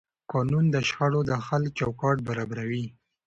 قانون د شخړو د حل چوکاټ برابروي.